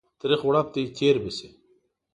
تريخ غړپ دى تير به سي.